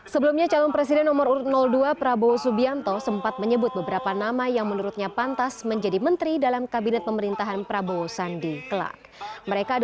sebelumnya calon presiden nomor urut dua prabowo subianto sempat menyebut beberapa nama yang menurutnya pantas menjadi menteri dalam kabinet pemerintahan prabowo sandi kelak